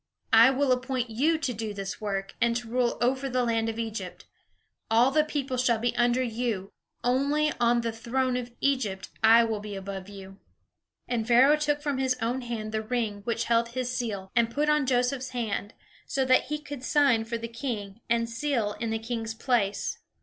I will appoint you to do this work, and to rule over the land of Egypt. All the people shall be under you; only on the throne of Egypt I will be above you." And Pharaoh took from his own hand the ring which held his seal, and put on Joseph's hand, so that he could sign for the king, and seal in the king's place.